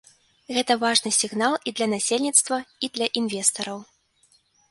Гэта важны сігнал і для насельніцтва і для інвестараў.